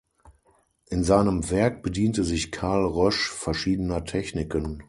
In seinem Werk bediente sich Carl Roesch verschiedener Techniken.